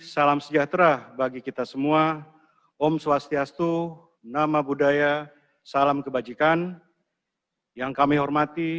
salam sejahtera bagi kita semua om swastiastu nama budaya salam kebajikan yang kami hormati